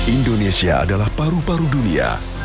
indonesia adalah paru paru dunia